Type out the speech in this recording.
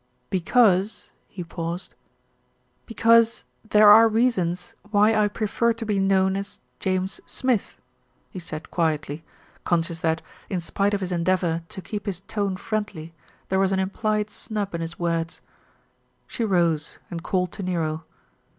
"Because " he paused, "because there are reasons why I prefer to be known as James Smith," he said quietly, conscious that, in spite of his endeavour to ERIC PLAYS A PART 273 keep his tone friendly, there was an implied snub in his words. She rose and called to Nero.